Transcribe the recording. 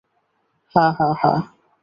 হ্যাঁ হ্যাঁ হ্যাঁ!